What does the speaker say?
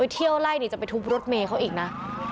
เที่ยวไล่จะไปทุบรถเมย์เขาอีกนะ